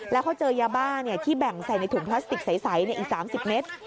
แล้วเขาเจอยาบ้าที่แบ่งใส่ในถุงพลาสติกใสอีก๓๐เมตร